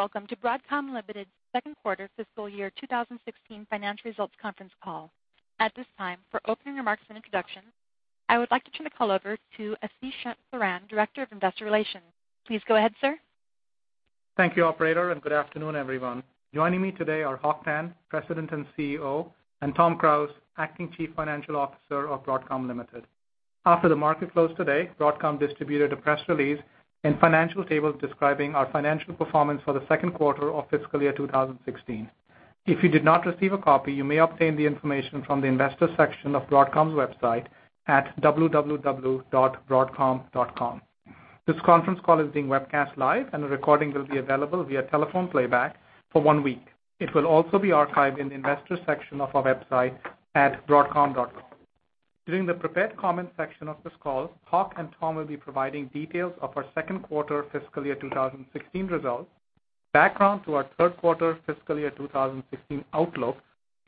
Welcome to Broadcom Limited's second quarter fiscal year 2016 financial results conference call. At this time, for opening remarks and introductions, I would like to turn the call over to Ashish Saran, Director of Investor Relations. Please go ahead, sir. Thank you, operator. Good afternoon, everyone. Joining me today are Hock Tan, President and CEO, and Tom Krause, Acting Chief Financial Officer of Broadcom Limited. After the market close today, Broadcom distributed a press release and financial tables describing our financial performance for the second quarter of fiscal year 2016. If you did not receive a copy, you may obtain the information from the investors section of Broadcom's website at www.broadcom.com. This conference call is being webcast live, and a recording will be available via telephone playback for one week. It will also be archived in the investors section of our website at broadcom.com. During the prepared comment section of this call, Hock and Tom will be providing details of our second quarter fiscal year 2016 results, background to our third quarter fiscal year 2016 outlook,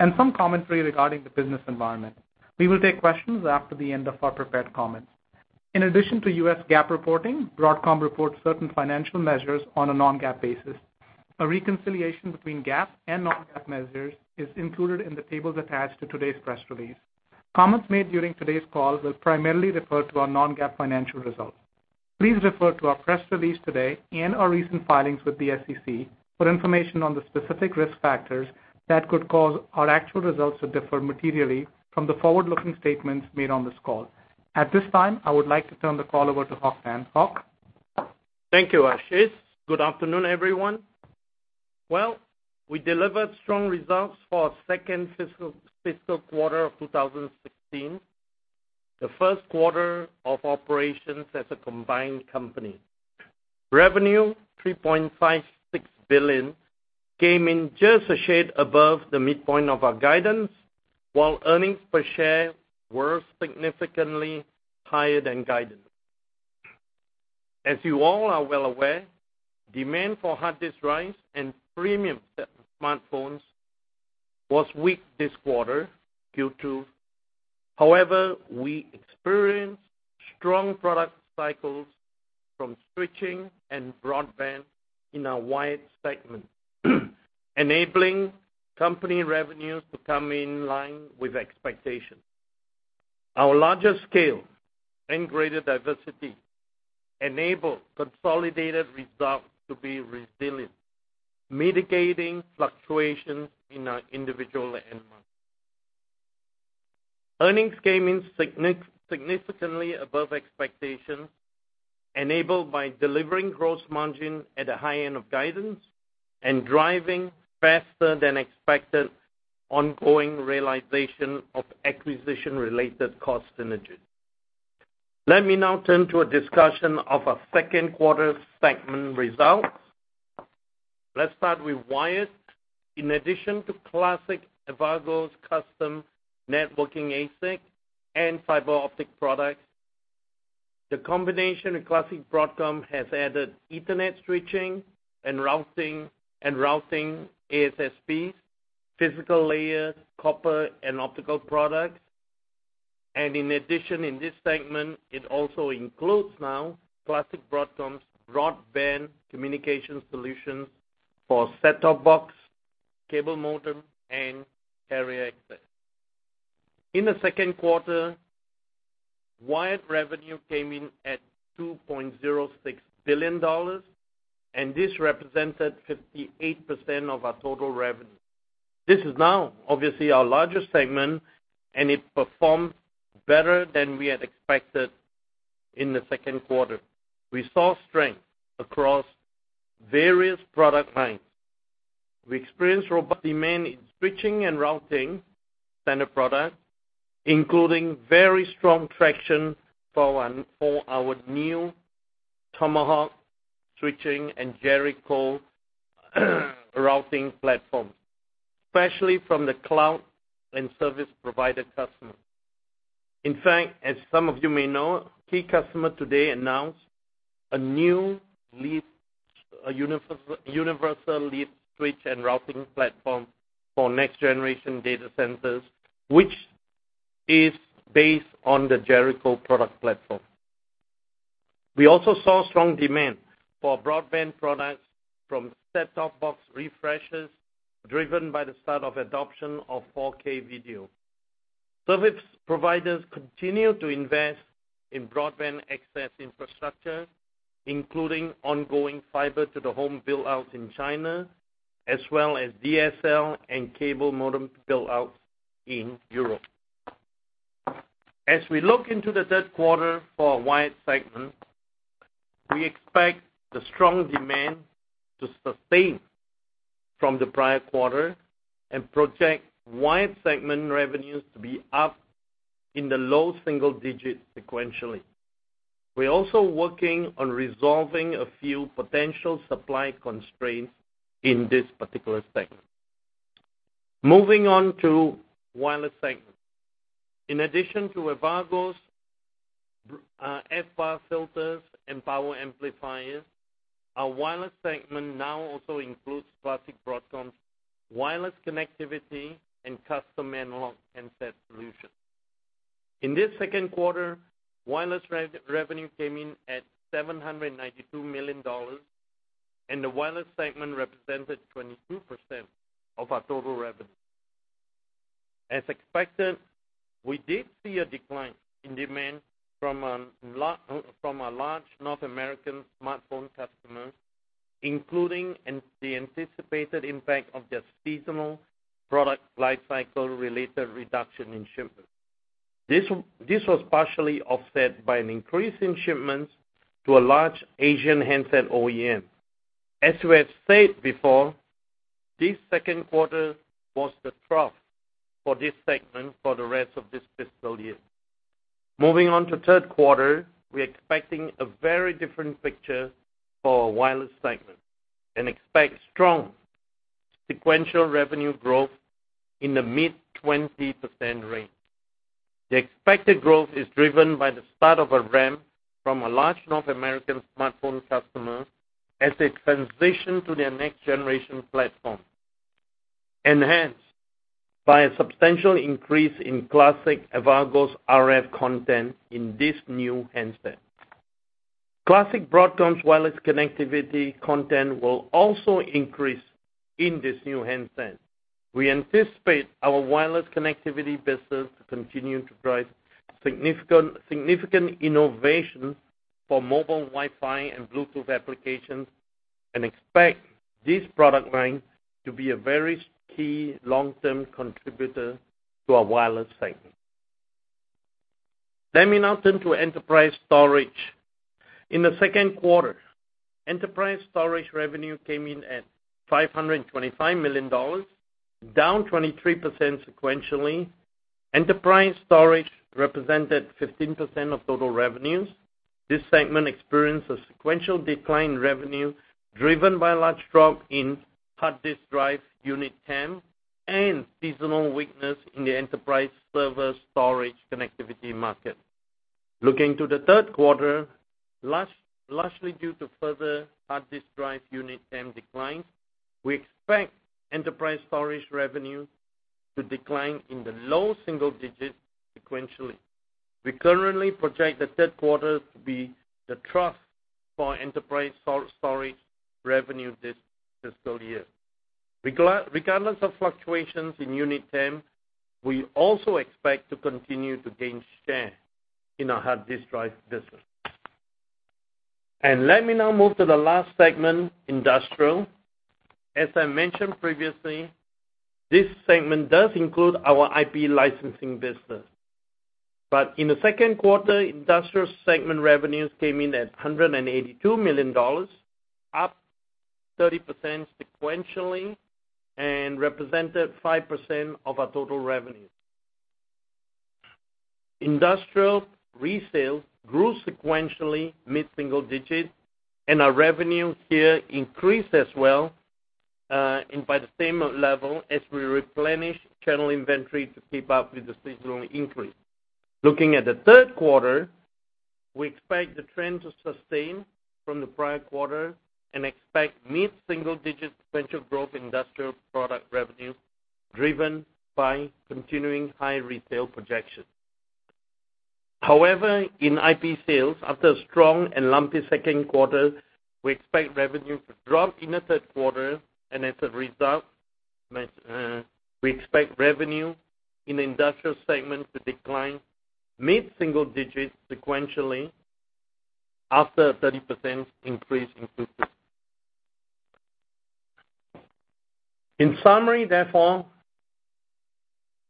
and some commentary regarding the business environment. We will take questions after the end of our prepared comments. In addition to U.S. GAAP reporting, Broadcom reports certain financial measures on a non-GAAP basis. A reconciliation between GAAP and non-GAAP measures is included in the tables attached to today's press release. Comments made during today's call will primarily refer to our non-GAAP financial results. Please refer to our press release today and our recent filings with the SEC for information on the specific risk factors that could cause our actual results to differ materially from the forward-looking statements made on this call. At this time, I would like to turn the call over to Hock Tan. Hock? Thank you, Ashish. Good afternoon, everyone. Well, we delivered strong results for our second fiscal quarter of 2016, the first quarter of operations as a combined company. Revenue, $3.56 billion, came in just a shade above the midpoint of our guidance, while earnings per share were significantly higher than guidance. As you all are well aware, demand for hard disk drives and premium smartphones was weak this quarter, Q2. However, we experienced strong product cycles from switching and broadband in our wired segment, enabling company revenues to come in line with expectations. Our larger scale and greater diversity enabled consolidated results to be resilient, mitigating fluctuations in our individual end markets. Earnings came in significantly above expectations, enabled by delivering gross margin at the high end of guidance and driving faster than expected ongoing realization of acquisition-related cost synergies. Let me now turn to a discussion of our second quarter segment results. Let's start with wired. In addition to Classic Avago's custom networking ASIC and fiber optic products, the combination with Classic Broadcom has added Ethernet switching and routing ASSPs, physical layer copper and optical products. In addition, in this segment, it also includes now Classic Broadcom's broadband communication solutions for set-top box, cable modem, and carrier access. In the second quarter, wired revenue came in at $2.06 billion, and this represented 58% of our total revenue. This is now obviously our largest segment, and it performed better than we had expected in the second quarter. We saw strength across various product lines. We experienced robust demand in switching and routing standard product, including very strong traction for our new Tomahawk switching and Jericho routing platform, especially from the cloud and service provider customers. In fact, as some of you may know, a key customer today announced a new universal leaf switch and routing platform for next generation data centers, which is based on the Jericho product platform. We also saw strong demand for broadband products from set-top box refreshes driven by the start of adoption of 4K video. Service providers continue to invest in broadband access infrastructure, including ongoing fiber to the home build-outs in China, as well as DSL and cable modem build-outs in Europe. As we look into the third quarter for our wired segment, we expect the strong demand to sustain from the prior quarter and project wired segment revenues to be up in the low single digits sequentially. We're also working on resolving a few potential supply constraints in this particular segment. Moving on to wireless segment. In addition to Avago's FBAR filters and power amplifiers. Our wireless segment now also includes Classic Broadcom's wireless connectivity and custom analog handset solutions. In this second quarter, wireless revenue came in at $792 million, and the wireless segment represented 22% of our total revenue. As expected, we did see a decline in demand from a large North American smartphone customer, including the anticipated impact of their seasonal product lifecycle related reduction in shipments. This was partially offset by an increase in shipments to a large Asian handset OEM. As we have said before, this second quarter was the trough for this segment for the rest of this fiscal year. Moving on to third quarter, we're expecting a very different picture for our wireless segment, and expect strong sequential revenue growth in the mid-20% range. The expected growth is driven by the start of a ramp from a large North American smartphone customer as they transition to their next generation platform, enhanced by a substantial increase in Classic Avago's RF content in this new handset. Classic Broadcom's wireless connectivity content will also increase in this new handset. We anticipate our wireless connectivity business to continue to drive significant innovation for mobile Wi-Fi and Bluetooth applications, and expect this product line to be a very key long-term contributor to our wireless segment. Let me now turn to enterprise storage. In the second quarter, enterprise storage revenue came in at $525 million, down 23% sequentially. Enterprise storage represented 15% of total revenues. This segment experienced a sequential decline in revenue driven by a large drop in hard disk drive unit TAM and seasonal weakness in the enterprise server storage connectivity market. Looking to the third quarter, largely due to further hard disk drive unit TAM declines, we expect enterprise storage revenue to decline in the low single digits sequentially. We currently project the third quarter to be the trough for enterprise storage revenue this fiscal year. Regardless of fluctuations in unit TAM, we also expect to continue to gain share in our hard disk drive business. Let me now move to the last segment, industrial. In the second quarter, industrial segment revenues came in at $182 million, up 30% sequentially and represented 5% of our total revenues. Industrial resales grew sequentially mid-single digit, and our revenue here increased as well by the same level as we replenish channel inventory to keep up with the seasonal increase. Looking at the third quarter, we expect the trend to sustain from the prior quarter and expect mid-single digit sequential growth industrial product revenue driven by continuing high retail projections. However, in IP sales, after a strong and lumpy second quarter, we expect revenue to drop in the third quarter. As a result, we expect revenue in the industrial segment to decline mid-single digits sequentially after a 30% increase in Q2. In summary, therefore,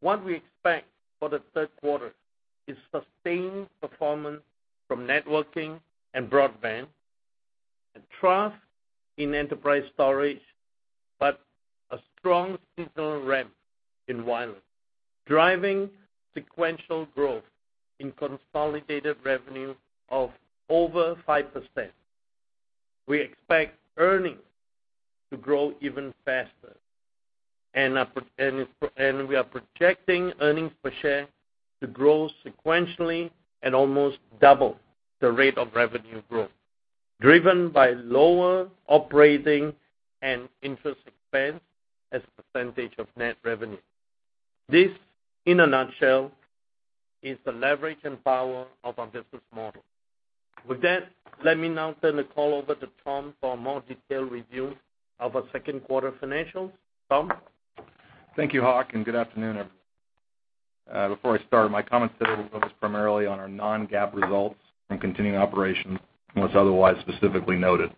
what we expect for the third quarter is sustained performance from networking and broadband, a trough in enterprise storage, a strong seasonal ramp in wireless, driving sequential growth in consolidated revenue of over 5%. We expect earnings to grow even faster. We are projecting earnings per share to grow sequentially at almost double the rate of revenue growth, driven by lower operating and interest expense as a percentage of net revenue. This, in a nutshell, is the leverage and power of our business model. With that, let me now turn the call over to Tom for a more detailed review of our second quarter financials. Tom? Thank you, Hock. Good afternoon, everyone. Before I start, my comments today will focus primarily on our non-GAAP results from continuing operations, unless otherwise specifically noted.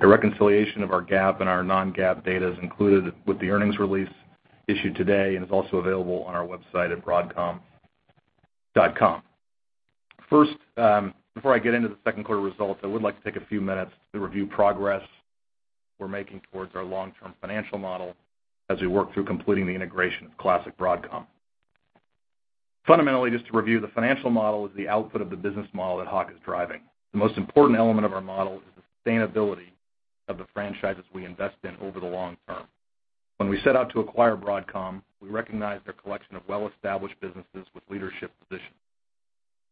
A reconciliation of our GAAP and our non-GAAP data is included with the earnings release issued today and is also available on our website at broadcom.com. First, before I get into the second quarter results, I would like to take a few minutes to review progress we are making towards our long-term financial model as we work through completing the integration of Classic Broadcom. Fundamentally, just to review, the financial model is the output of the business model that Hock is driving. The most important element of our model is the sustainability of the franchises we invest in over the long term. When we set out to acquire Broadcom, we recognized their collection of well-established businesses with leadership positions.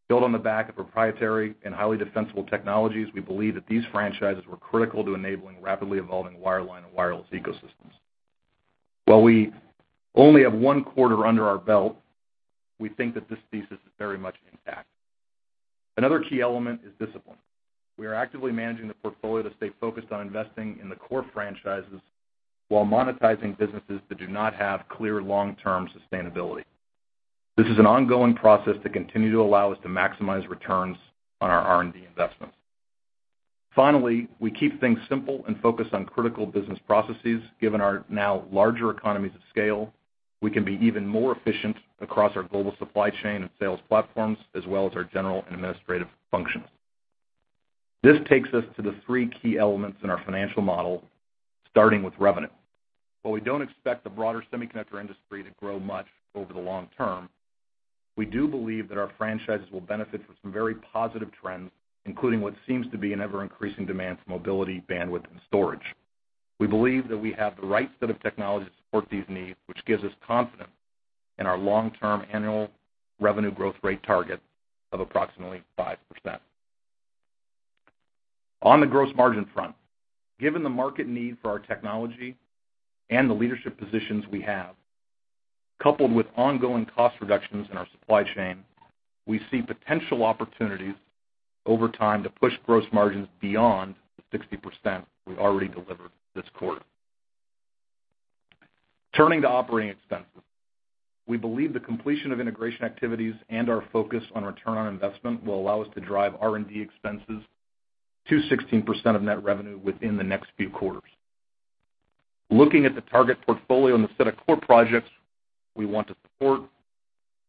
Built on the back of proprietary and highly defensible technologies, we believe that these franchises were critical to enabling rapidly evolving wireline and wireless ecosystems. While we only have one quarter under our belt, we think that this thesis is very much intact. Another key element is discipline. We are actively managing the portfolio to stay focused on investing in the core franchises while monetizing businesses that do not have clear long-term sustainability. This is an ongoing process that continue to allow us to maximize returns on our R&D investments. Finally, we keep things simple and focused on critical business processes. Given our now larger economies of scale, we can be even more efficient across our global supply chain and sales platforms, as well as our general and administrative functions. This takes us to the three key elements in our financial model, starting with revenue. While we don't expect the broader semiconductor industry to grow much over the long term, we do believe that our franchises will benefit from some very positive trends, including what seems to be an ever-increasing demand for mobility, bandwidth, and storage. We believe that we have the right set of technologies to support these needs, which gives us confidence in our long-term annual revenue growth rate target of approximately 5%. On the gross margin front, given the market need for our technology and the leadership positions we have, coupled with ongoing cost reductions in our supply chain, we see potential opportunities over time to push gross margins beyond the 60% we've already delivered this quarter. Turning to operating expenses. We believe the completion of integration activities and our focus on return on investment will allow us to drive R&D expenses to 16% of net revenue within the next few quarters. Looking at the target portfolio and the set of core projects we want to support,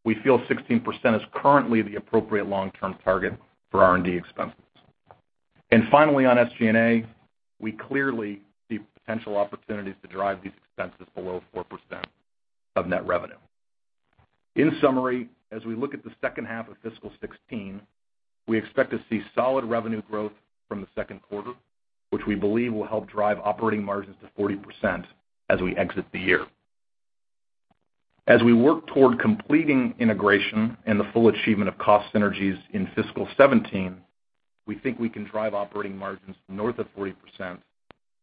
we feel 16% is currently the appropriate long-term target for R&D expenses. Finally, on SG&A, we clearly see potential opportunities to drive these expenses below 4% of net revenue. In summary, as we look at the second half of fiscal 2016, we expect to see solid revenue growth from the second quarter, which we believe will help drive operating margins to 40% as we exit the year. As we work toward completing integration and the full achievement of cost synergies in fiscal 2017, we think we can drive operating margins north of 40%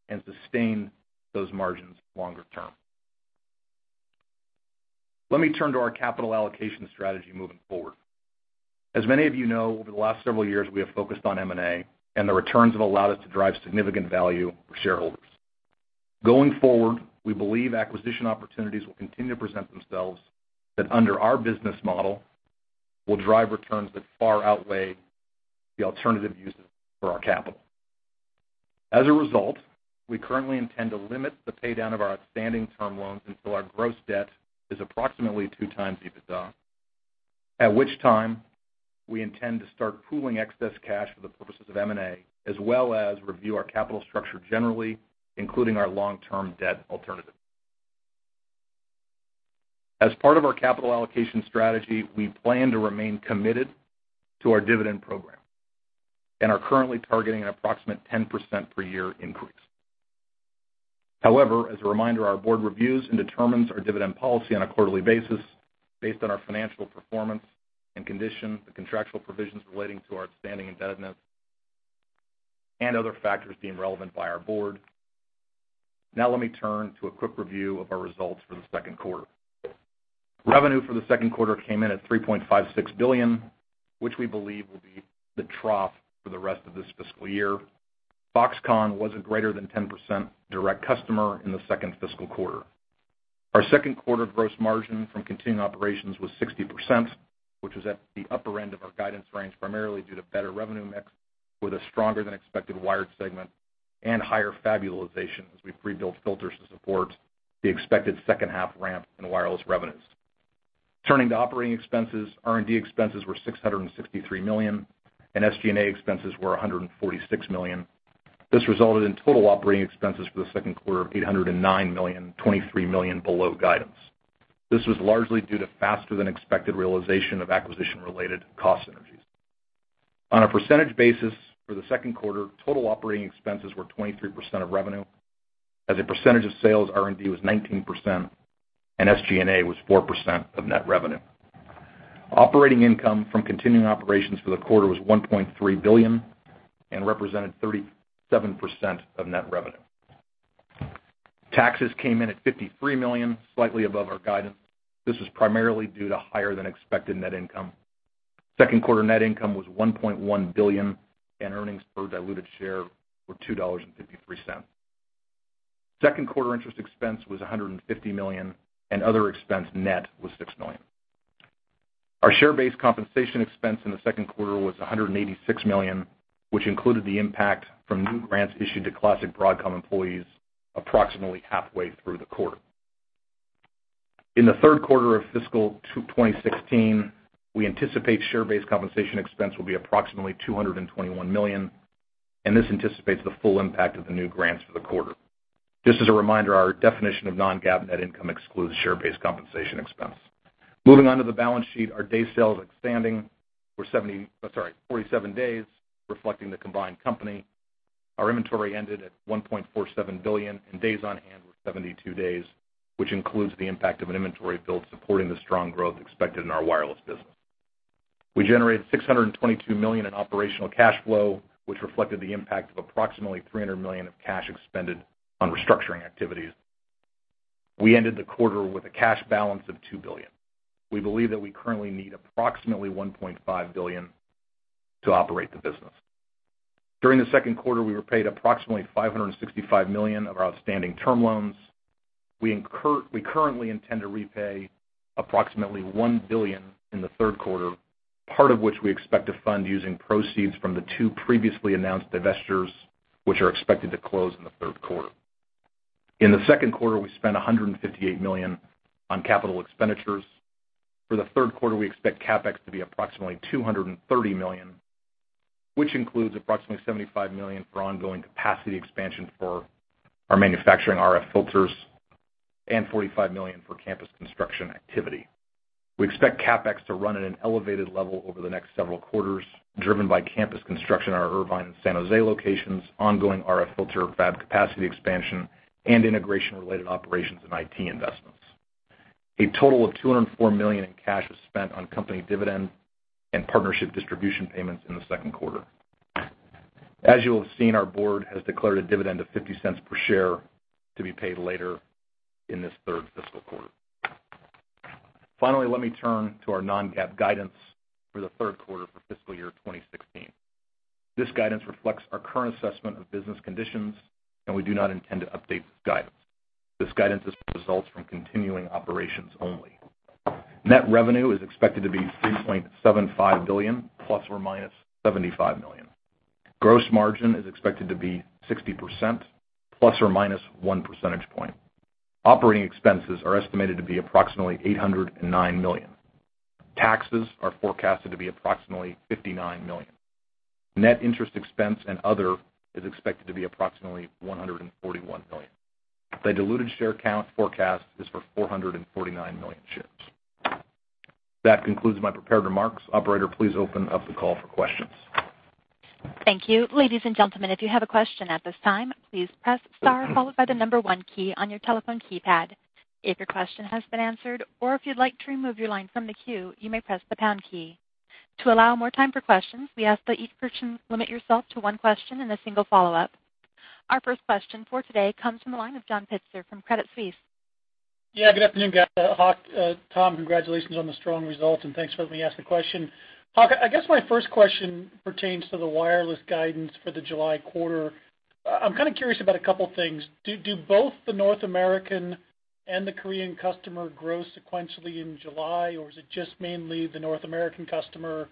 and sustain those margins longer term. Let me turn to our capital allocation strategy moving forward. As many of you know, over the last several years, we have focused on M&A, and the returns have allowed us to drive significant value for shareholders. Going forward, we believe acquisition opportunities will continue to present themselves, that under our business model, will drive returns that far outweigh the alternative uses for our capital. As a result, we currently intend to limit the paydown of our outstanding term loans until our gross debt is approximately 2x EBITDA, at which time we intend to start pooling excess cash for the purposes of M&A, as well as review our capital structure generally, including our long-term debt alternatives. As part of our capital allocation strategy, we plan to remain committed to our dividend program and are currently targeting an approximate 10% per year increase. As a reminder, our board reviews and determines our dividend policy on a quarterly basis based on our financial performance and condition, the contractual provisions relating to our outstanding indebtedness, and other factors deemed relevant by our board. Now let me turn to a quick review of our results for the second quarter. Revenue for the second quarter came in at $3.56 billion, which we believe will be the trough for the rest of this fiscal year. Foxconn was a greater than 10% direct customer in the second fiscal quarter. Our second quarter gross margin from continuing operations was 60%, which was at the upper end of our guidance range, primarily due to better revenue mix with a stronger than expected wired segment and higher fab utilization as we pre-built filters to support the expected second half ramp in wireless revenues. Turning to operating expenses, R&D expenses were $663 million and SG&A expenses were $146 million. This resulted in total operating expenses for the second quarter of $809 million, $23 million below guidance. This was largely due to faster than expected realization of acquisition-related cost synergies. On a percentage basis for the second quarter, total operating expenses were 23% of revenue. As a percentage of sales, R&D was 19% and SG&A was 4% of net revenue. Operating income from continuing operations for the quarter was $1.3 billion and represented 37% of net revenue. Taxes came in at $53 million, slightly above our guidance. This was primarily due to higher than expected net income. Second quarter net income was $1.1 billion and earnings per diluted share were $2.53. Second quarter interest expense was $150 million and other expense net was $6 million. Our share-based compensation expense in the second quarter was $186 million, which included the impact from new grants issued to Classic Broadcom employees approximately halfway through the quarter. In the third quarter of fiscal 2016, we anticipate share-based compensation expense will be approximately $221 million, and this anticipates the full impact of the new grants for the quarter. Just as a reminder, our definition of non-GAAP net income excludes share-based compensation expense. Moving on to the balance sheet, our day sales outstanding were 47 days, reflecting the combined company. Our inventory ended at $1.47 billion, and days on hand were 72 days, which includes the impact of an inventory build supporting the strong growth expected in our wireless business. We generated $622 million in operational cash flow, which reflected the impact of approximately $300 million of cash expended on restructuring activities. We ended the quarter with a cash balance of $2 billion. We believe that we currently need approximately $1.5 billion to operate the business. During the second quarter, we repaid approximately $565 million of our outstanding term loans. We currently intend to repay approximately $1 billion in the third quarter, part of which we expect to fund using proceeds from the two previously announced investors, which are expected to close in the third quarter. In the second quarter, we spent $158 million on capital expenditures. For the third quarter, we expect CapEx to be approximately $230 million, which includes approximately $75 million for ongoing capacity expansion for our manufacturing RF filters and $45 million for campus construction activity. We expect CapEx to run at an elevated level over the next several quarters, driven by campus construction in our Irvine and San Jose locations, ongoing RF filter fab capacity expansion, and integration related operations and IT investments. A total of $204 million in cash was spent on company dividend and partnership distribution payments in the second quarter. As you will have seen, our board has declared a dividend of $0.50 per share to be paid later in this third fiscal quarter. Finally, let me turn to our non-GAAP guidance for the third quarter for fiscal year 2016. This guidance reflects our current assessment of business conditions, and we do not intend to update this guidance. This guidance is for results from continuing operations only. Net revenue is expected to be $3.75 billion ±$75 million. Gross margin is expected to be 60% ±one percentage point. Operating expenses are estimated to be approximately $809 million. Taxes are forecasted to be approximately $59 million. Net interest expense and other is expected to be approximately $141 million. The diluted share count forecast is for 449 million shares. That concludes my prepared remarks. Operator, please open up the call for questions. Thank you. Ladies and gentlemen, if you have a question at this time, please press star followed by the number 1 key on your telephone keypad. If your question has been answered or if you'd like to remove your line from the queue, you may press the pound key. To allow more time for questions, we ask that each person limit yourself to one question and a single follow-up. Our first question for today comes from the line of John Pitzer from Credit Suisse. Yeah, good afternoon, guys. Tom, congratulations on the strong results, and thanks for letting me ask the question. Hock, I guess my first question pertains to the wireless guidance for the July quarter. I'm kind of curious about a couple things. Do both the North American and the Korean customer grow sequentially in July, or is it just mainly the North American customer?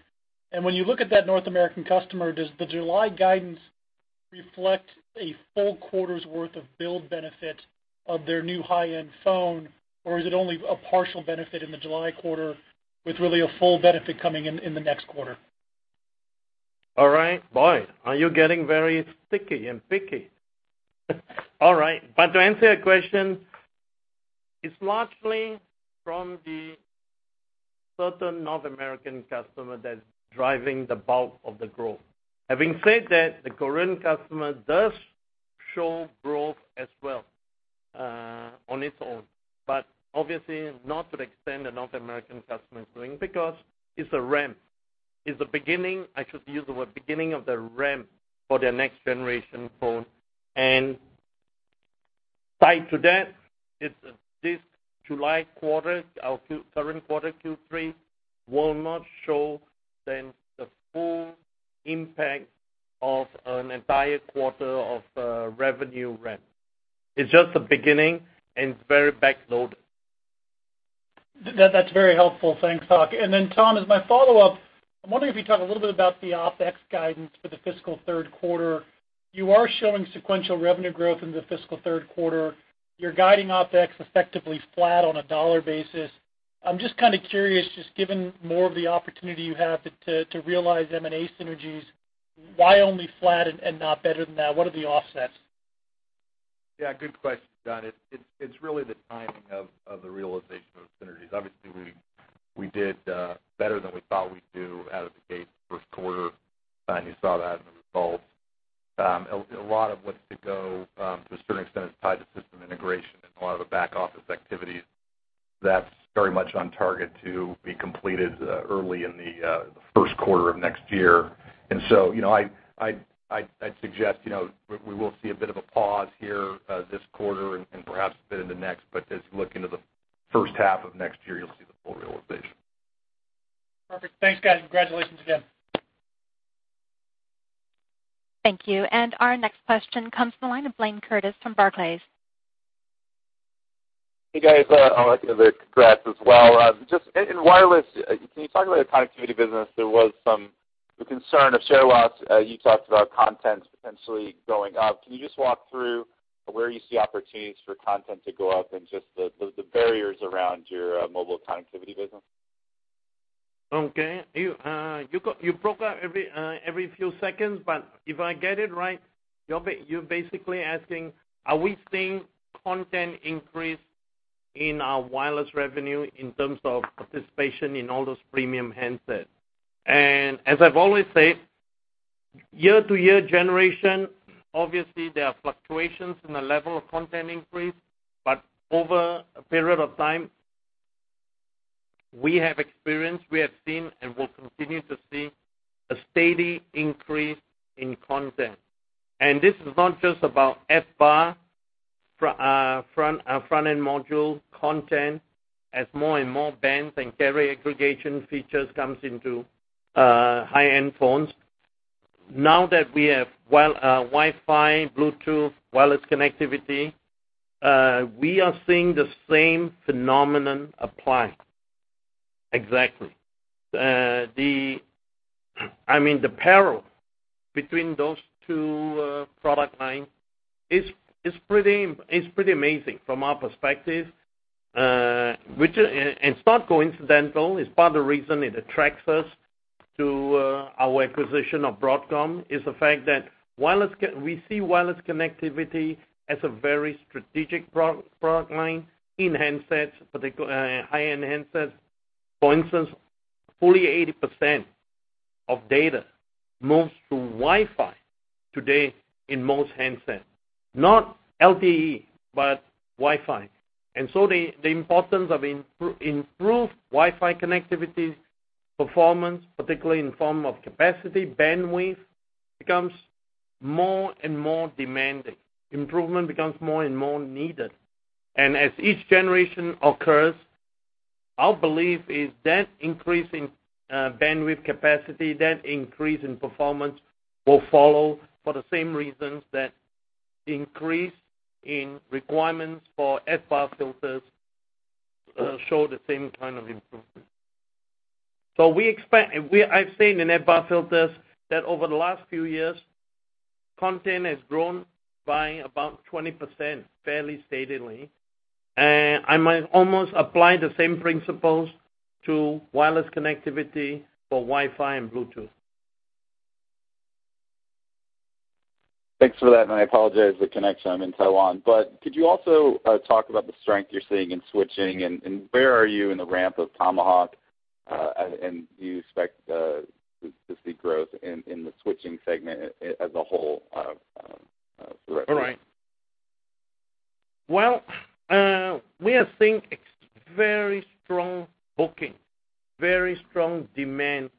And when you look at that North American customer, does the July guidance reflect a full quarter's worth of build benefit of their new high-end phone, or is it only a partial benefit in the July quarter with really a full benefit coming in the next quarter? All right. Boy, are you getting very sticky and picky. All right. To answer your question, it's largely from the certain North American customer that's driving the bulk of the growth. Having said that, the Korean customer does show growth as well on its own, but obviously not to the extent the North American customer is doing, because it's a ramp. I should use the word beginning of the ramp for their next generation phone. Tied to that, this July quarter, our current quarter, Q3, will not show then the full impact of an entire quarter of revenue ramp. It's just the beginning and it's very backloaded. That's very helpful. Thanks, Hock. Tom, as my follow-up, I'm wondering if you can talk a little bit about the OpEx guidance for the fiscal third quarter. You are showing sequential revenue growth in the fiscal third quarter. You're guiding OpEx effectively flat on a dollar basis. I'm just kind of curious, just given more of the opportunity you have to realize M&A synergies, why only flat and not better than that? What are the offsets? Yeah, good question, John. It's really the timing of the realization of synergies. Obviously, we did better than we thought we'd do out of the gate first quarter, and you saw that in the results. A lot of what's to go to a certain extent is tied to system integration and a lot of the back office activities. That's very much on target to be completed early in the first quarter of next year. I'd suggest we will see a bit of a pause here this quarter and perhaps a bit in the next, but as you look into the first half of next year, you'll see the full realization. Perfect. Thanks, guys. Congratulations again. Thank you. Our next question comes from the line of Blayne Curtis from Barclays. Hey, guys. I'd like to give a congrats as well. Just in wireless, can you talk about the connectivity business? There was some concern of share loss. You talked about content potentially going up. Can you just walk through where you see opportunities for content to go up and just the barriers around your mobile connectivity business? Okay. You broke up every few seconds, but if I get it right, you're basically asking, are we seeing content increase in our wireless revenue in terms of participation in all those premium handsets? As I've always said, year-to-year generation, obviously, there are fluctuations in the level of content increase. Over a period of time, we have experience, we have seen, and will continue to see a steady increase in content. This is not just about FBAR, our front-end module content as more and more bands and carrier aggregation features comes into high-end phones. Now that we have Wi-Fi, Bluetooth, wireless connectivity, we are seeing the same phenomenon apply. Exactly. The parallel between those two product lines is pretty amazing from our perspective. It's not coincidental. It's part of the reason it attracts us to our acquisition of Broadcom, is the fact that we see wireless connectivity as a very strategic product line in handsets, high-end handsets. For instance, fully 80% of data moves through Wi-Fi today in most handsets. Not LTE, but Wi-Fi. So the importance of improved Wi-Fi connectivity performance, particularly in form of capacity, bandwidth, becomes more and more demanding. Improvement becomes more and more needed. As each generation occurs, our belief is that increase in bandwidth capacity, that increase in performance, will follow for the same reasons that increase in requirements for FBAR filters show the same kind of improvement. I've seen in FBAR filters that over the last few years, content has grown by about 20%, fairly steadily. I might almost apply the same principles to wireless connectivity for Wi-Fi and Bluetooth. Thanks for that, I apologize, the connection. I'm in Taiwan. Could you also talk about the strength you're seeing in switching, where are you in the ramp of Tomahawk, and do you expect to see growth in the switching segment as a whole for that piece? Well, we are seeing very strong booking, very strong demand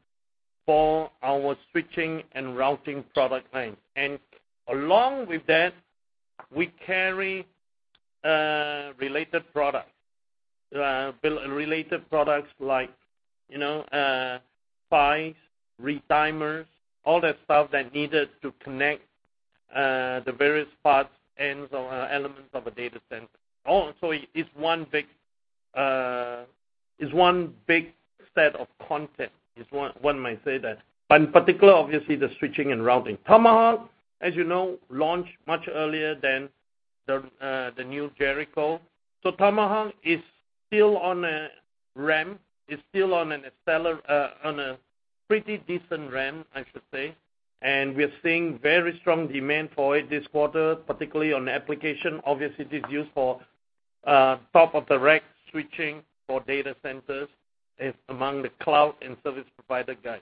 for our switching and routing product lines. Along with that, we carry related products like spines, retimers, all that stuff that's needed to connect the various parts, ends, or elements of a data center. It's one big set of content, one might say that. In particular, obviously, the switching and routing. Tomahawk, as you know, launched much earlier than the new Jericho. Tomahawk is still on a ramp. It's still on a pretty decent ramp, I should say. We're seeing very strong demand for it this quarter, particularly on the application. Obviously, it is used for top-of-the-rack switching for data centers. It's among the cloud and service provider guys.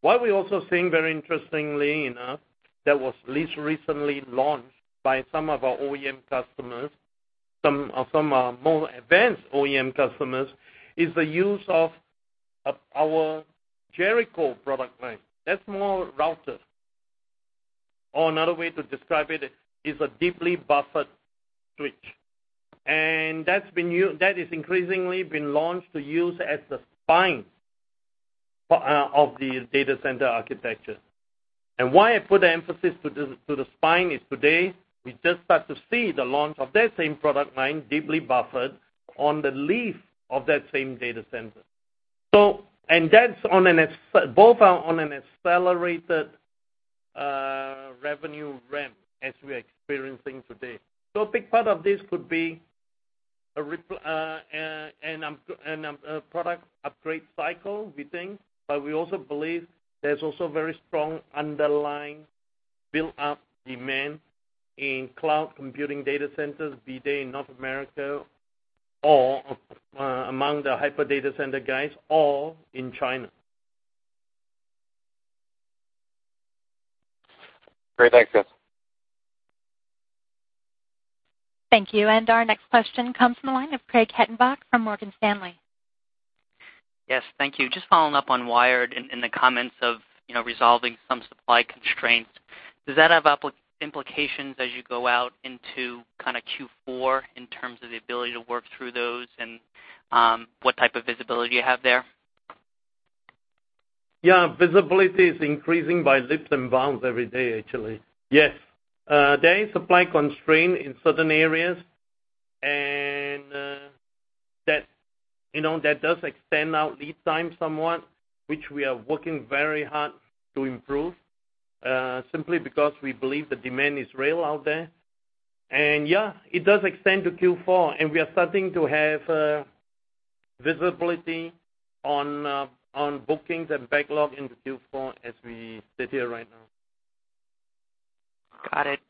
What we're also seeing, very interestingly enough, that was least recently launched by some of our OEM customers, some more advanced OEM customers, is the use of our Jericho product line. That's more router. Another way to describe it is a deeply buffered switch. That is increasingly been launched to use as the spine of the data center architecture. Why I put the emphasis to the spine is today, we just start to see the launch of that same product line, deeply buffered, on the leaf of that same data center. Both are on an accelerated revenue ramp as we're experiencing today. A big part of this could be a product upgrade cycle, we think, we also believe there's also very strong underlying built-up demand in cloud computing data centers, be they in North America or among the hyper data center guys or in China. Great. Thanks, Chris. Thank you. Our next question comes from the line of Craig Hettenbach from Morgan Stanley. Yes, thank you. Just following up on wired and the comments of resolving some supply constraints. Does that have implications as you go out into Q4 in terms of the ability to work through those and what type of visibility you have there? Yeah. Visibility is increasing by leaps and bounds every day, actually. Yes. There is supply constraint in certain areas, and that does extend out lead time somewhat, which we are working very hard to improve, simply because we believe the demand is real out there. Yeah, it does extend to Q4, and we are starting to have visibility on bookings and backlog into Q4 as we sit here right now. Got it.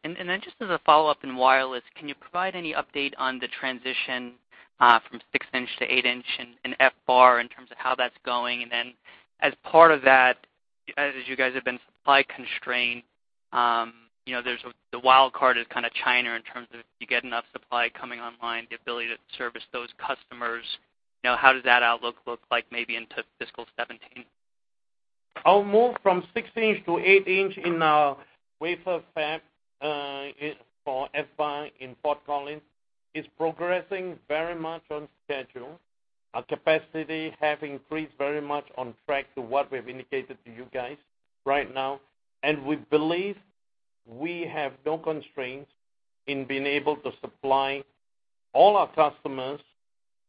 Just as a follow-up in wireless, can you provide any update on the transition from six inch to eight inch in FBAR in terms of how that's going? As part of that, as you guys have been supply constrained, the wild card is China in terms of if you get enough supply coming online, the ability to service those customers, how does that outlook look like maybe into fiscal 2017? Our move from six inch to eight inch in our wafer fab for FBAR in Fort Collins is progressing very much on schedule. Our capacity have increased very much on track to what we've indicated to you guys right now. We believe we have no constraints in being able to supply all our customers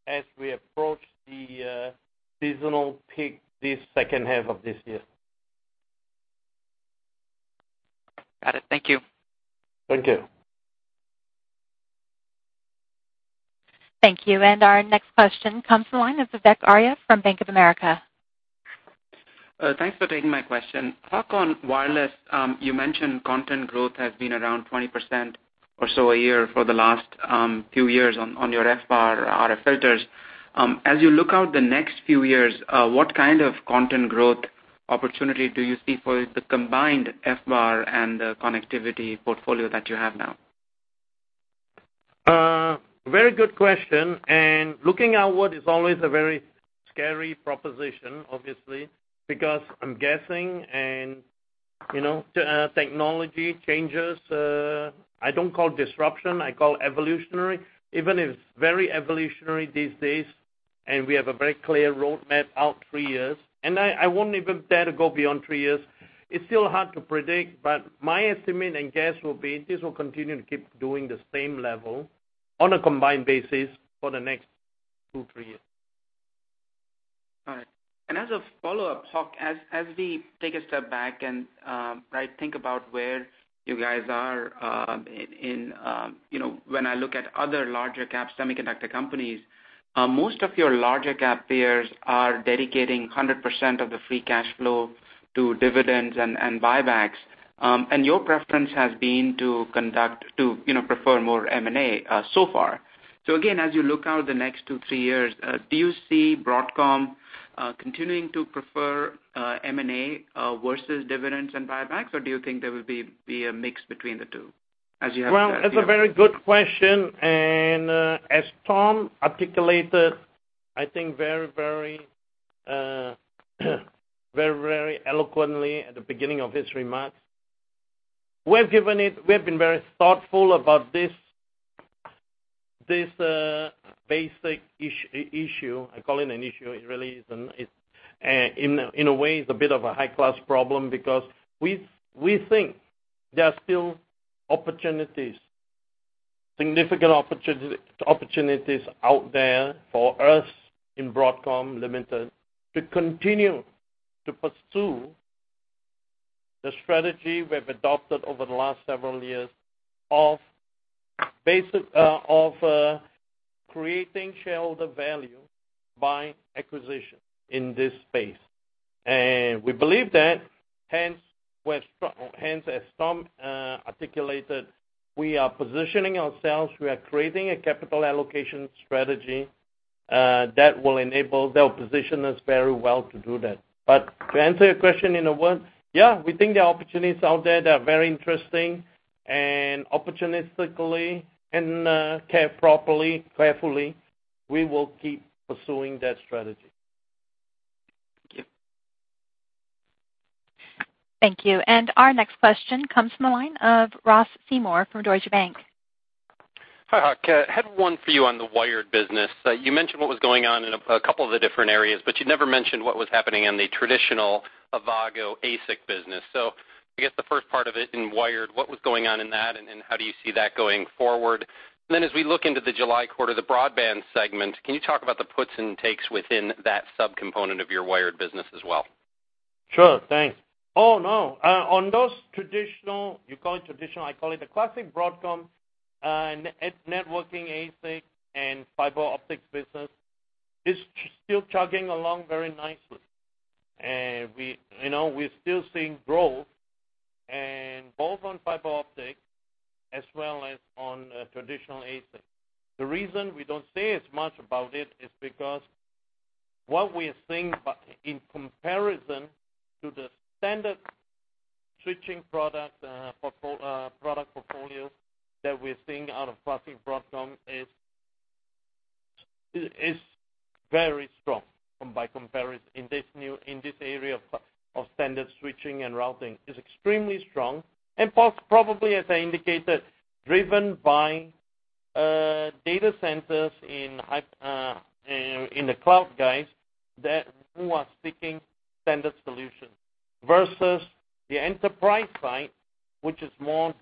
as we approach the seasonal peak this second half of this year. Got it. Thank you. Thank you. Thank you. Our next question comes from the line of Vivek Arya from Bank of America. Thanks for taking my question. Hock, on wireless, you mentioned content growth has been around 20% or so a year for the last few years on your FBAR RF filters. As you look out the next few years, what kind of content growth opportunity do you see for the combined FBAR and the connectivity portfolio that you have now? Very good question, looking out what is always a very scary proposition, obviously, because I'm guessing, technology changes. I don't call disruption, I call evolutionary, even if it's very evolutionary these days, we have a very clear roadmap out three years, I won't even dare to go beyond three years. It's still hard to predict, my estimate and guess will be this will continue to keep doing the same level on a combined basis for the next two, three years. All right. As a follow-up, Hock, as we take a step back and think about where you guys are when I look at other larger cap semiconductor companies, most of your larger cap peers are dedicating 100% of the free cash flow to dividends and buybacks. Your preference has been to prefer more M&A so far. Again, as you look out the next two, three years, do you see Broadcom continuing to prefer M&A versus dividends and buybacks? Do you think there will be a mix between the two as you have Well, that's a very good question, as Tom articulated, I think very eloquently at the beginning of his remarks, we have been very thoughtful about this basic issue. I call it an issue. It really isn't. In a way, it's a bit of a high-class problem because we think there are still opportunities, significant opportunities out there for us in Broadcom Limited to continue to pursue the strategy we've adopted over the last several years of creating shareholder value by acquisition in this space. We believe that, hence, as Tom articulated, we are positioning ourselves, we are creating a capital allocation strategy that will enable, that will position us very well to do that. To answer your question in a word, yeah, we think there are opportunities out there that are very interesting and opportunistically and carefully, we will keep pursuing that strategy. Thank you. Thank you. Our next question comes from the line of Ross Seymore from Deutsche Bank. Hi, Hock. I had one for you on the wired business. You mentioned what was going on in a couple of the different areas, but you never mentioned what was happening in the traditional Avago ASIC business. I guess the first part of it in wired, what was going on in that, and how do you see that going forward? As we look into the July quarter, the broadband segment, can you talk about the puts and takes within that subcomponent of your wired business as well? Sure. Thanks. Oh, no. On those traditional, you call it traditional, I call it the classic Broadcom networking ASIC and fiber optics business is still chugging along very nicely. We're still seeing growth, and both on fiber optics as well as on traditional ASIC. The reason we don't say as much about it is because what we are seeing in comparison to the standard switching product portfolio that we're seeing out of classic Broadcom is very strong by comparison in this area of standard switching and routing. It's extremely strong and probably, as I indicated, driven by data centers in the cloud guys who are seeking standard solutions versus the enterprise side, which is more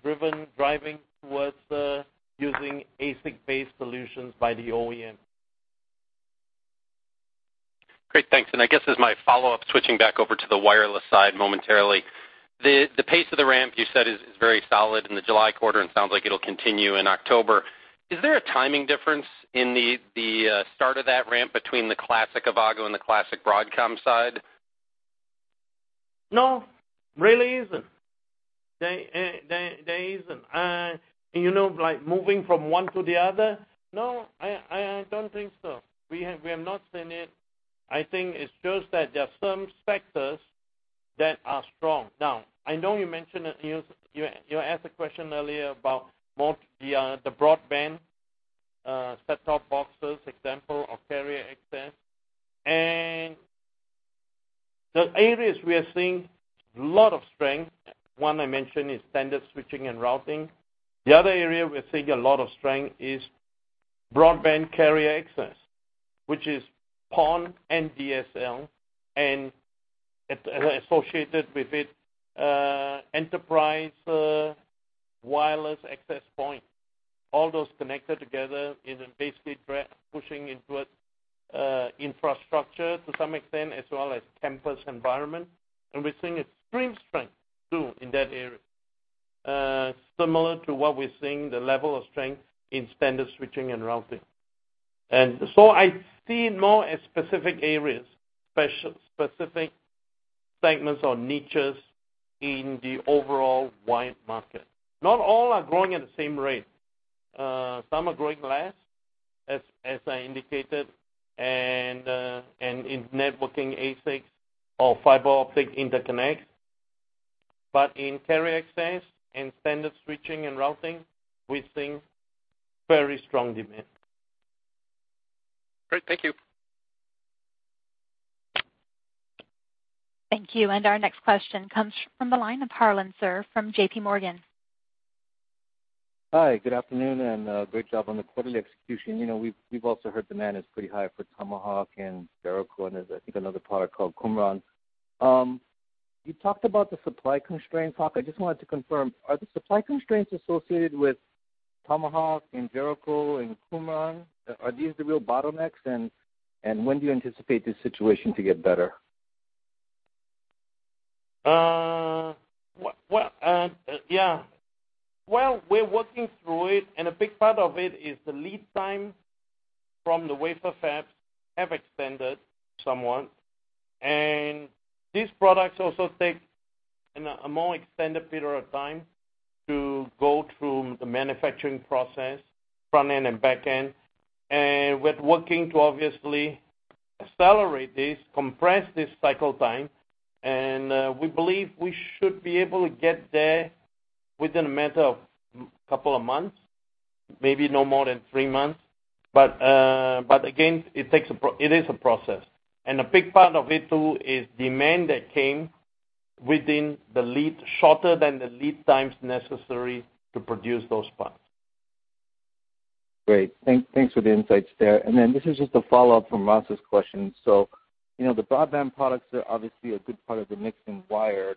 driving towards using ASIC-based solutions by the OEM. Great. Thanks. I guess as my follow-up, switching back over to the wireless side momentarily, the pace of the ramp you said is very solid in the July quarter, and sounds like it'll continue in October. Is there a timing difference in the start of that ramp between the Classic Avago and the classic Broadcom side? No, really isn't. There isn't. Like moving from one to the other, no, I don't think so. We have not seen it. I think it's just that there are some sectors that are strong. I know you asked a question earlier about more the broadband set-top boxes example of carrier access. The areas we are seeing a lot of strength, one I mentioned is standard switching and routing. The other area we're seeing a lot of strength is broadband carrier access, which is PON and DSL, and associated with it, enterprise wireless access point. All those connected together in a basically pushing into an infrastructure to some extent, as well as campus environment. We're seeing extreme strength too, in that area. Similar to what we're seeing the level of strength in standard switching and routing. I see more as specific areas, specific segments or niches in the overall wire market. Not all are growing at the same rate. Some are growing less, as I indicated, and in networking ASICs or fiber optic interconnects. In carrier access and standard switching and routing, we're seeing very strong demand. Great. Thank you. Thank you. Our next question comes from the line of Harlan Sur from J.P. Morgan. Hi, good afternoon and great job on the quarterly execution. We've also heard demand is pretty high for Tomahawk and Jericho, and there's, I think, another product called Qumran. You talked about the supply constraint, Hock. I just wanted to confirm, are the supply constraints associated with Tomahawk and Jericho and Qumran, are these the real bottlenecks? When do you anticipate this situation to get better? Well, we're working through it, and a big part of it is the lead time from the wafer fabs have extended somewhat. These products also take a more extended period of time to go through the manufacturing process, front-end and back-end. We're working to obviously accelerate this, compress this cycle time, and we believe we should be able to get there within a matter of couple of months, maybe no more than three months. It is a process. A big part of it too is demand that came within the lead, shorter than the lead times necessary to produce those parts. Great. Thanks for the insights there. This is just a follow-up from Ross' question. The broadband products are obviously a good part of the mix in wired,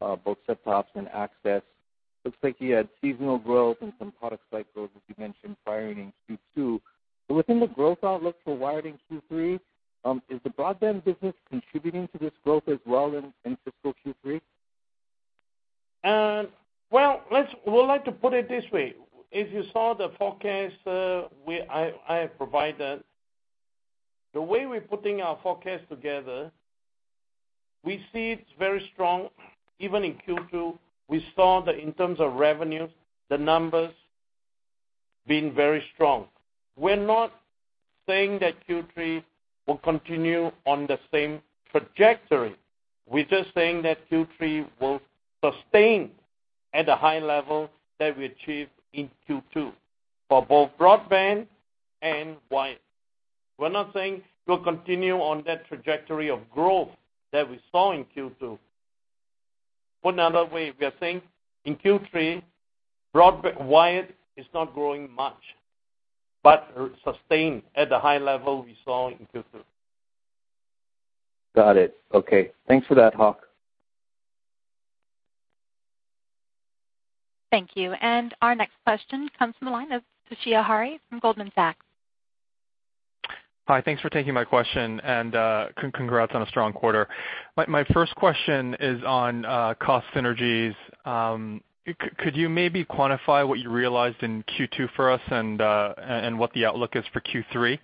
both set-tops and access. Looks like you had seasonal growth and some product cycles, as you mentioned prior in Q2. Within the growth outlook for wired in Q3, is the broadband business contributing to this growth as well in fiscal Q3? Well, we'd like to put it this way. If you saw the forecast I have provided, the way we're putting our forecast together, we see it's very strong. Even in Q2, we saw that in terms of revenues, the numbers been very strong. We're not saying that Q3 will continue on the same trajectory. We're just saying that Q3 will sustain at a high level that we achieved in Q2 for both broadband and wired. We're not saying we'll continue on that trajectory of growth that we saw in Q2. Put another way, we are saying in Q3, wired is not growing much, but sustained at a high level we saw in Q2. Got it. Okay. Thanks for that, Hock. Thank you. Our next question comes from the line of Toshiya Hari from Goldman Sachs. Hi, thanks for taking my question and congrats on a strong quarter. My first question is on cost synergies. Could you maybe quantify what you realized in Q2 for us and what the outlook is for Q3?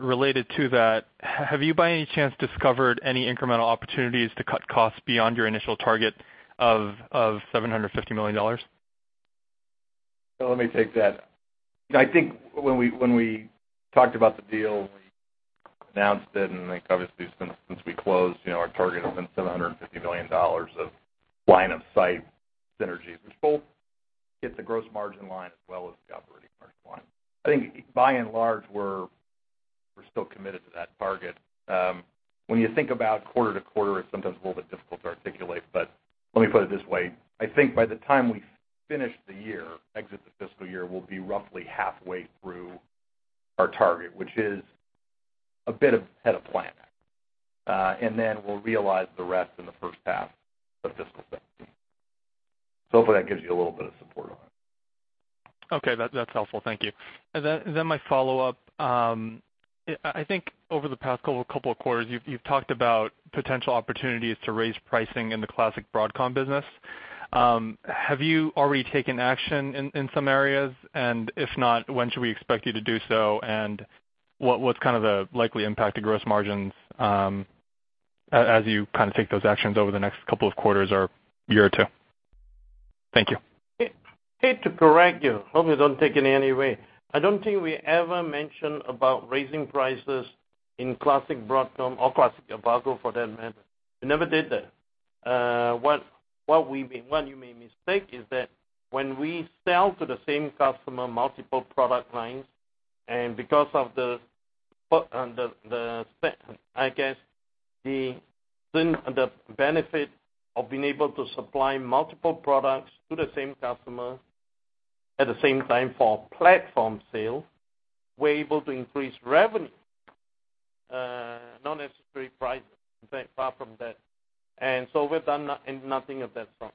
Related to that, have you by any chance discovered any incremental opportunities to cut costs beyond your initial target of $750 million? Let me take that. I think when we talked about the deal, we announced it, and I think obviously since we closed, our target has been $750 million of line of sight synergies, which both hits the gross margin line as well as the operating margin line. I think by and large, we're still committed to that target. When you think about quarter to quarter, it's sometimes a little bit difficult to articulate, but let me put it this way. I think by the time we finish the year, exit the fiscal year, we'll be roughly halfway through our target, which is a bit ahead of plan. We'll realize the rest in the first half of fiscal 2017. Hopefully that gives you a little bit of support on it. Okay. That's helpful. Thank you. My follow-up, I think over the past couple of quarters, you've talked about potential opportunities to raise pricing in the classic Broadcom business. Have you already taken action in some areas? If not, when should we expect you to do so? What's the likely impact to gross margins as you take those actions over the next couple of quarters or year or two? Thank you. Hate to correct you. Hopefully you don't take it any other way. I don't think we ever mentioned about raising prices in classic Broadcom or classic Avago for that matter. We never did that. What you may mistake is that when we sell to the same customer multiple product lines, and because of the benefit of being able to supply multiple products to the same customer at the same time for platform sale, we're able to increase revenue. Not necessarily prices, in fact, far from that. We've done nothing of that sort.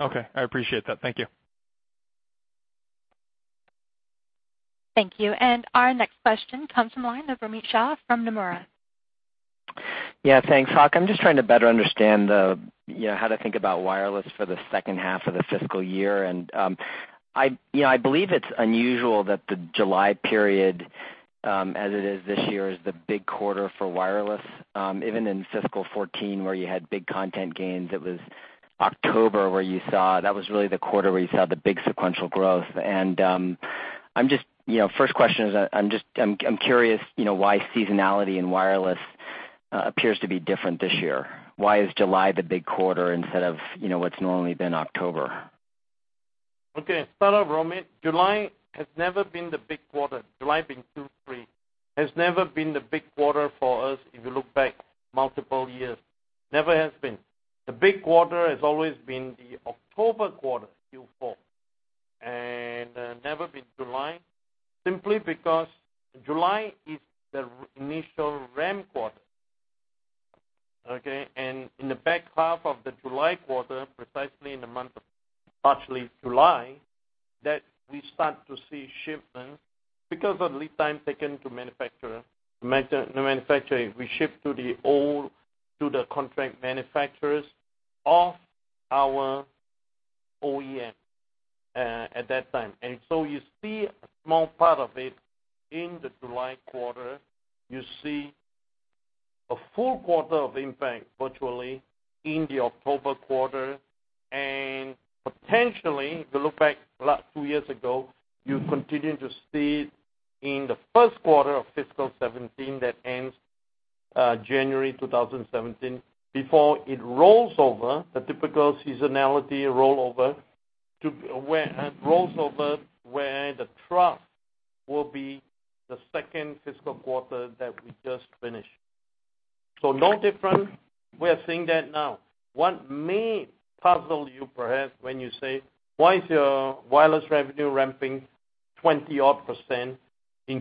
Okay. I appreciate that. Thank you. Thank you. Our next question comes from the line of Romit Shah from Nomura. Yeah. Thanks, Hock. I'm just trying to better understand how to think about wireless for the second half of the fiscal year. I believe it's unusual that the July period, as it is this year, is the big quarter for wireless. Even in fiscal 2014 where you had big content gains, it was October that was really the quarter where you saw the big sequential growth. First question is I'm curious why seasonality in wireless appears to be different this year. Why is July the big quarter instead of what's normally been October? Okay. Start off, Romit, July has never been the big quarter. July, being Q3, has never been the big quarter for us if you look back multiple years, never has been. The big quarter has always been the October quarter, Q4, and never been July, simply because July is the initial ramp quarter. Okay? In the back half of the July quarter, precisely in the month of partially July, that we start to see shipments because of the lead time taken to manufacture. We ship to the contract manufacturers of our OEM at that time. You see a small part of it in the July quarter. You see a full quarter of impact virtually in the October quarter and potentially, if you look back two years ago, you continue to see in the first quarter of fiscal 2017 that ends January 2017 before it rolls over, the typical seasonality roll over where the trough will be the second fiscal quarter that we just finished. No different. We are seeing that now. What may puzzle you perhaps when you say why is your wireless revenue ramping 20-odd%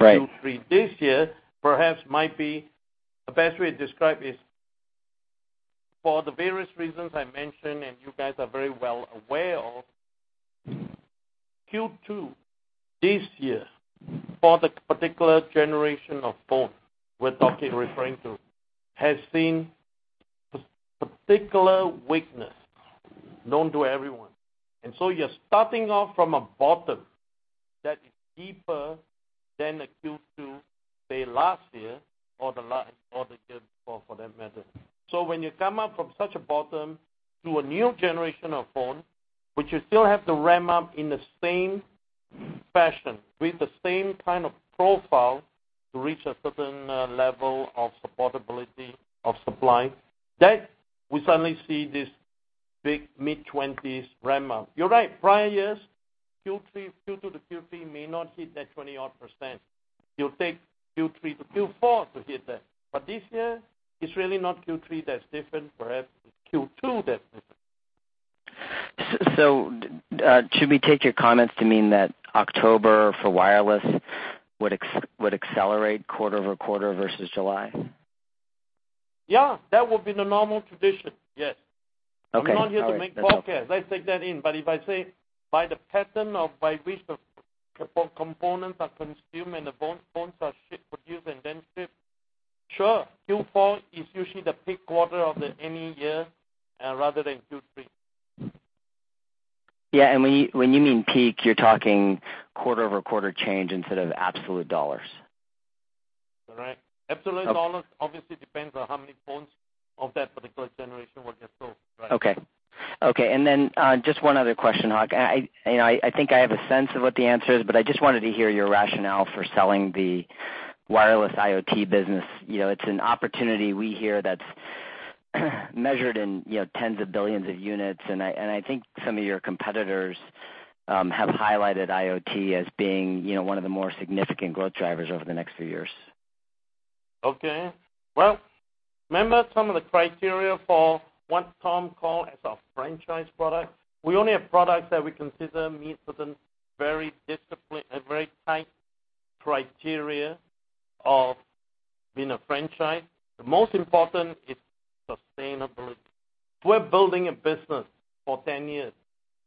Right in Q3 this year, perhaps might be the best way to describe is for the various reasons I mentioned and you guys are very well aware of, Q2 this year for the particular generation of phone we're talking, referring to, has seen particular weakness known to everyone. You're starting off from a bottom that is deeper than the Q2, say, last year or the year before for that matter. When you come up from such a bottom to a new generation of phone, which you still have to ramp up in the same fashion with the same kind of profile to reach a certain level of supportability of supply, then we suddenly see this big mid-20s ramp up. You're right, prior years, Q2 to the Q3 may not hit that 20-odd %. You'll take Q3 to Q4 to hit that. This year, it's really not Q3 that's different. Perhaps it's Q2 that's different. Should we take your comments to mean that October for wireless would accelerate quarter-over-quarter versus July? Yeah, that would be the normal tradition. Yes. Okay. All right. That helps. I'm not here to make forecasts. Let's take that in. If I say by the pattern by which the phone components are consumed and the phones are produced and then shipped, sure, Q4 is usually the peak quarter of any year rather than Q3. Yeah. When you mean peak, you're talking quarter-over-quarter change instead of absolute dollars. You're right. Absolute dollars obviously depends on how many phones of that particular generation were just sold. Right. Okay. Then just one other question, Hock. I think I have a sense of what the answer is, but I just wanted to hear your rationale for selling the wireless IoT business. It's an opportunity we hear that's measured in tens of billions of units, and I think some of your competitors have highlighted IoT as being one of the more significant growth drivers over the next few years. Okay. Well, remember some of the criteria for what Tom called as our franchise product? We only have products that we consider meet certain very tight criteria of Being a franchise, the most important is sustainability. We're building a business for 10 years.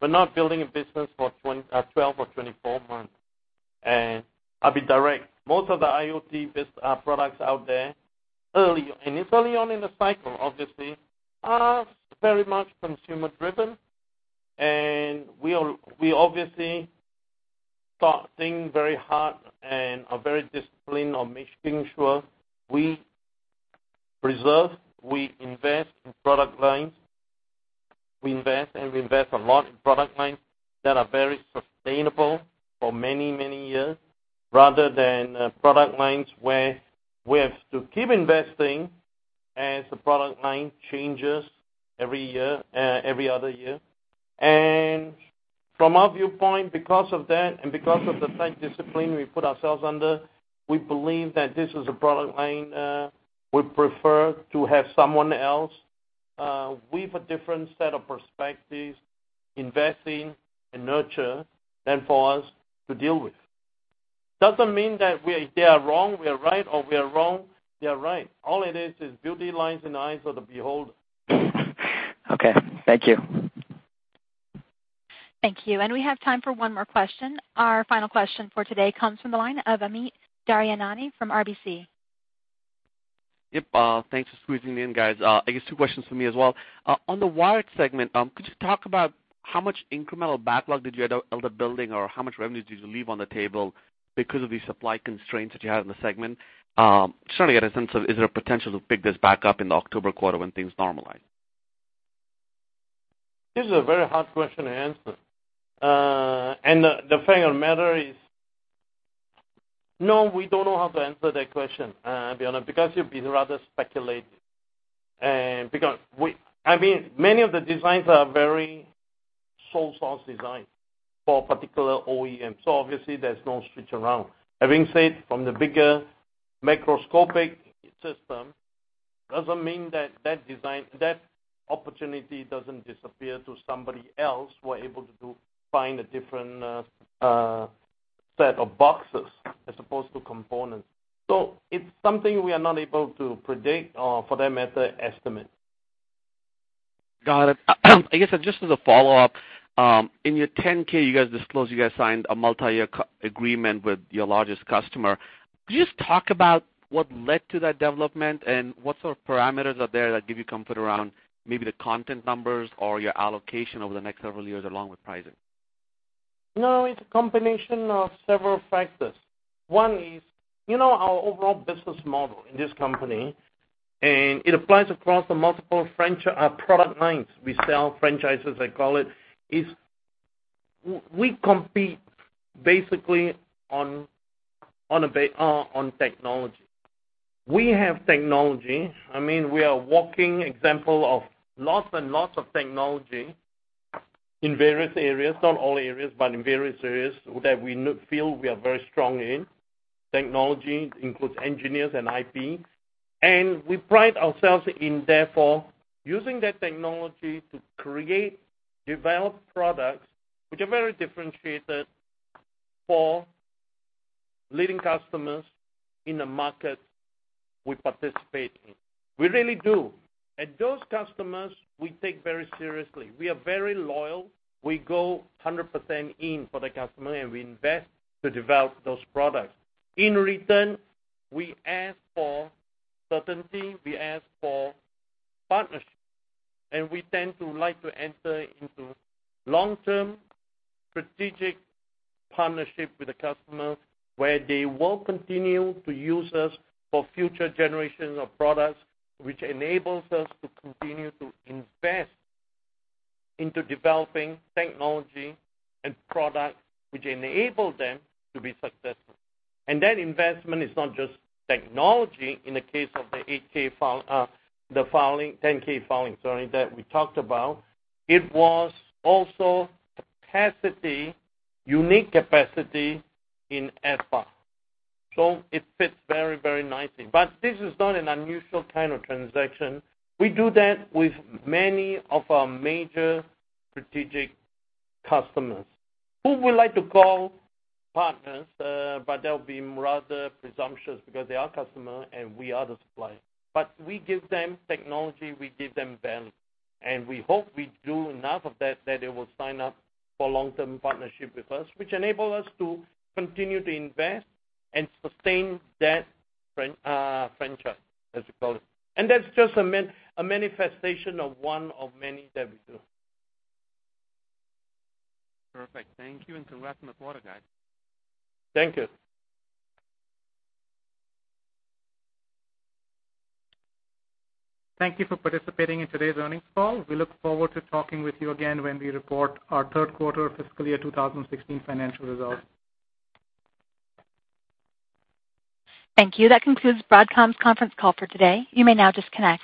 We're not building a business for 12 or 24 months. I'll be direct. Most of the IoT products out there, and it's early on in the cycle, obviously, are very much consumer-driven. We obviously thought things very hard and are very disciplined on making sure we reserve, we invest in product lines. We invest a lot in product lines that are very sustainable for many, many years, rather than product lines where we have to keep investing as the product line changes every other year. From our viewpoint, because of that and because of the tight discipline we put ourselves under, we believe that this is a product line we prefer to have someone else with a different set of perspectives investing and nurture than for us to deal with. Doesn't mean that they are wrong, we are right, or we are wrong, they are right. All it is beauty lies in the eyes of the beholder. Okay. Thank you. Thank you. We have time for one more question. Our final question for today comes from the line of Amit Daryanani from RBC. Yep. Thanks for squeezing me in, guys. I guess two questions from me as well. On the wired segment, could you talk about how much incremental backlog did you end up building, or how much revenue did you leave on the table because of the supply constraints that you had in the segment? Just trying to get a sense of, is there a potential to pick this back up in the October quarter when things normalize? This is a very hard question to answer. The fact of the matter is, no, we don't know how to answer that question, to be honest, because it would be rather speculative. I mean, many of the designs are very sole source design for a particular OEM. Obviously there's no switch around. Having said, from the bigger macroscopic system, doesn't mean that that opportunity doesn't disappear to somebody else who are able to do, find a different set of boxes as opposed to components. It's something we are not able to predict or, for that matter, estimate. Got it. I guess just as a follow-up, in your 10-K, you guys disclose you guys signed a multi-year agreement with your largest customer. Could you just talk about what led to that development and what sort of parameters are there that give you comfort around maybe the content numbers or your allocation over the next several years, along with pricing? No, it's a combination of several factors. One is, you know our overall business model in this company, it applies across the multiple product lines. We sell franchises, I call it. We compete basically on technology. We have technology. I mean, we are a walking example of lots and lots of technology in various areas. Not all areas, but in various areas that we feel we are very strong in. Technology includes engineers and IP. We pride ourselves in, therefore, using that technology to create, develop products which are very differentiated for leading customers in the market we participate in. We really do. Those customers, we take very seriously. We are very loyal. We go 100% in for the customer, and we invest to develop those products. In return, we ask for certainty, we ask for partnership, and we tend to like to enter into long-term, strategic partnership with the customer, where they will continue to use us for future generations of products, which enables us to continue to invest into developing technology and products which enable them to be successful. That investment is not just technology in the case of the 10-K filing that we talked about. It was also capacity, unique capacity in FBAR. It fits very, very nicely. This is not an unusual kind of transaction. We do that with many of our major strategic customers who we like to call partners, but that would be rather presumptuous because they are customer and we are the supplier. We give them technology, we give them value, and we hope we do enough of that they will sign up for long-term partnership with us, which enable us to continue to invest and sustain that franchise, as you call it. That's just a manifestation of one of many that we do. Perfect. Thank you, and congrats on the quarter, guys. Thank you. Thank you for participating in today's earnings call. We look forward to talking with you again when we report our third quarter fiscal year 2016 financial results. Thank you. That concludes Broadcom's conference call for today. You may now disconnect.